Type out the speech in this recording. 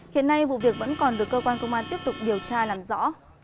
hiện nay vụ việc vẫn còn được cơ quan công an tiếp tục điều tra làm rõ